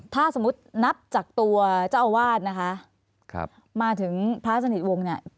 ถ้าสมมุตินับจากตัวเจ้าอาวาสนะคะครับมาถึงพระสนิทวงศ์เนี่ย